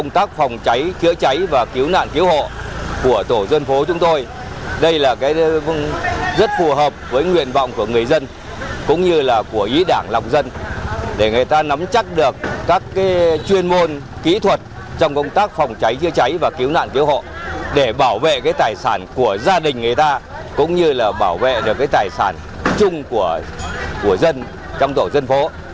tổ chức chữa cháy rất phù hợp với nguyện vọng của người dân cũng như là của ý đảng lòng dân để người ta nắm chắc được các chuyên môn kỹ thuật trong công tác phòng cháy chữa cháy và cứu nạn cứu hộ để bảo vệ tài sản của gia đình người ta cũng như là bảo vệ được tài sản chung của dân trong tổ dân phố